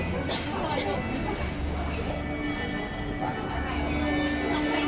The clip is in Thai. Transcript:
โปรดติดตามตอนต่อไป